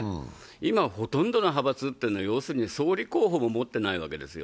今はほとんどの派閥というのは、要するに総理候補も持っていないわけですよ。